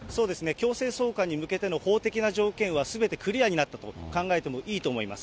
強制送還に向けての法的な条件はすべてクリアになったと考えてもいいと思います。